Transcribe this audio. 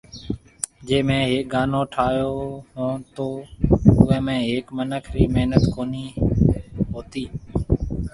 جي ميھ ھيَََڪ گانو ٺاھونھونتو اوئي ۾ ھيَََڪي منک ري محنت ڪونھيَََ ھوتي